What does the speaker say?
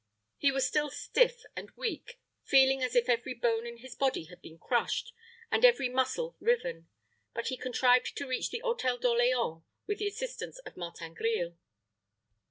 He was still stiff and weak, feeling as if every bone in his body had been crushed, and every muscle riven; but he contrived to reach the Hôtel d'Orleans, with the assistance of Martin Grille.